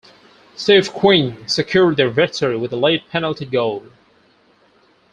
Steve Quinn secured their victory with a late penalty goal.